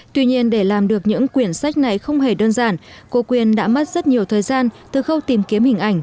tuy nhiên để làm được những quyển sách này không hề đơn giản cô quyên đã mất rất nhiều thời gian từ khâu tìm kiếm hình ảnh